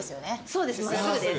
そうです真っすぐです。